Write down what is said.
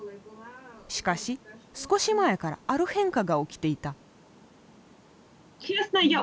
しかし少し前からある変化が起きていた。